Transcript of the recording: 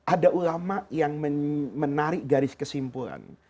ada ulama yang menarik garis kesimpulan